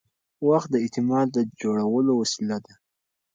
وخت د اعتماد جوړولو وسیله ده.